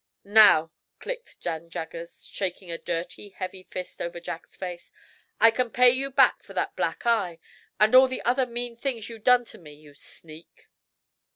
"Now!" clicked Dan Jaggers, shaking a dirty, heavy fist over Jack's face. "I can pay you back for that black eye, and all the other mean things you done to me, you sneak!"